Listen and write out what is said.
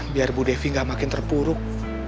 biar bu devi gak makin terpuruk